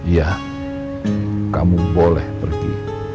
ya kamu boleh pergi